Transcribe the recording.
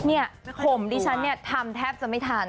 เนี่ยผมดิฉันเนี่ยทำแทบจะไม่ทัน